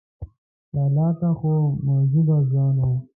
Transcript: چالاکه خو مودبه ځوان و.